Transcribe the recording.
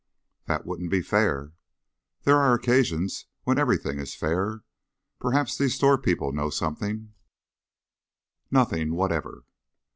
"That wouldn't be fair." "There are occasions when everything is fair. Perhaps these store people know something " "Nothing whatever."